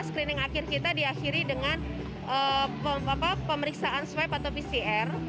screening akhir kita diakhiri dengan pemeriksaan swab atau pcr